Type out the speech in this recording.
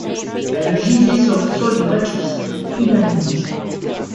Elle gisait sur le sol du rez-de-chaussée, inanimée.